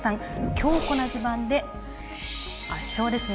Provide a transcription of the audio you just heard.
強固な地盤で圧勝ですね。